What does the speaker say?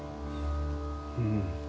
うん。